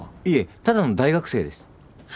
いえただの大学生です。